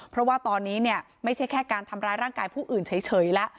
เพราะว่าตอนนี้เนี่ยไม่ใช่แค่การทำร้ายร่างกายผู้อื่นเฉยแล้ว